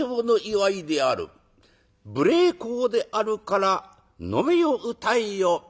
無礼講であるから飲めよ歌えよ」。